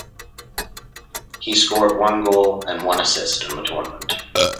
He scored one goal and one assist in the tournament.